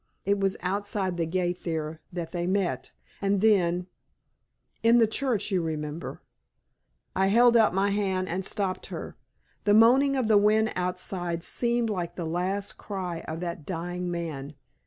It was outside the gate there that they met, and then in the church you remember " I held out my hand and stopped her. The moaning of the wind outside seemed like the last cry of that dying man.